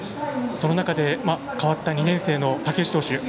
その中で代わった２年生の武内投手